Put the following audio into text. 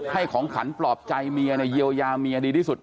ให้ของขันปลอบใจเยียวยาเมียดีที่สุด